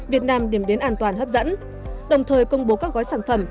việt nam điểm đến an toàn hấp dẫn đồng thời công bố các gói sản phẩm